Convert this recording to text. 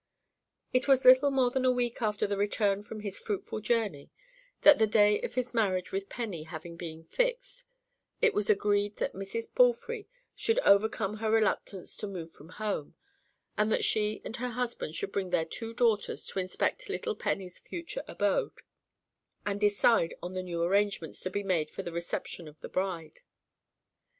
It was little more than a week after the return from his fruitful journey, that the day of his marriage with Penny having been fixed, it was agreed that Mrs. Palfrey should overcome her reluctance to move from home, and that she and her husband should bring their two daughters to inspect little Penny's future abode and decide on the new arrangements to be made for the reception of the bride.